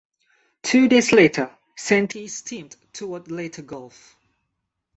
Two days later "Santee" steamed toward Leyte Gulf.